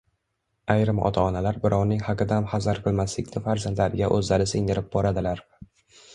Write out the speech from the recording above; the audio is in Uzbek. Ayrim ota-onalar birovning haqidan hazar qilmaslikni farzandlariga o‘zlari singdirib boradilar.